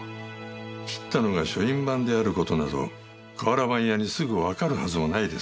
斬ったのが書院番である事など瓦版屋にすぐわかるはずもないですね。